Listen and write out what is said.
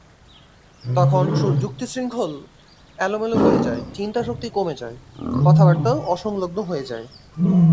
তখন যুক্তিশৃঙ্খল এলোমেলো হয়ে যায়, চিন্তাশক্তি কমে যায়, কথাবার্তাও অসংলগ্ন হয়ে যায়।